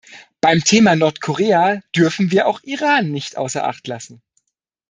Beim Thema Nordkorea dürfen wir auch Iran nicht außer Acht lassen.